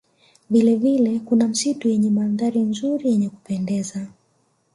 Vilevile kuna misitu yenye mandhari nzuri yenye kupendeza